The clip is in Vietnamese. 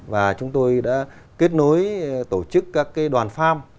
và chúng tôi đã kết nối tổ chức các đoàn farm